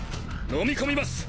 飲み込みます！